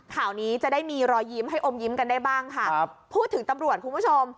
ข่าวนี้จะได้มีรอยยิ้มให้อมยิ้มกันได้บ้างค่ะครับพูดถึงตำรวจคุณผู้ชม